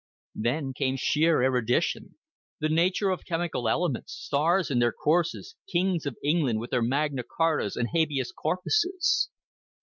Then came sheer erudition the nature of chemical elements, stars in their courses, kings of England with their Magna Chartas and habeas corpuses.